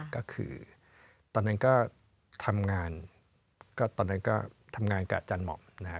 ก็คือตอนนั้นก็ทำงานก็ตอนนั้นก็ทำงานกับอาจารย์หม่อมนะฮะ